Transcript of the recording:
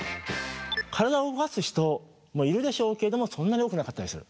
体を動かす人もいるでしょうけれどもそんなに多くなかったりする。